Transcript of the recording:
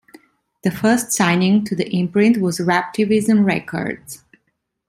The first signing to the imprint was Raptivism Records.